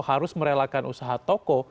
harus merelakan usaha toko